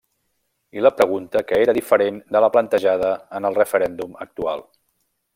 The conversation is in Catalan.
I la pregunta que era diferent de la plantejada en el referèndum actual.